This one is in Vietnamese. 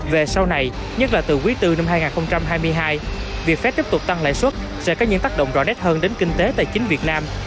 về sau này nhất là từ quý iv năm hai nghìn hai mươi hai việc phép tiếp tục tăng lãi suất sẽ có những tác động rõ nét hơn đến kinh tế tài chính việt nam